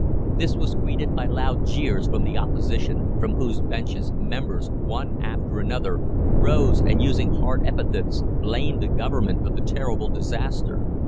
This was greeted by loud jeers from the Opposition, from whose benches, members, one after another, rose, and, using hard epithets, blamed the Government for the terrible disaster.